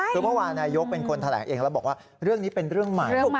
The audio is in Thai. คือเมื่อวานนายกเป็นคนแถลงเองแล้วบอกว่าเรื่องนี้เป็นเรื่องใหม่